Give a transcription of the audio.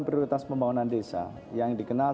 prioritas pembangunan desa yang dikenal